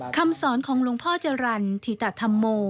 คำสอนของหลวงพ่อจรรย์ธิตธรรมโม